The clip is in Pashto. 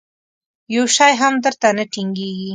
یو شی هم در ته نه ټینګېږي.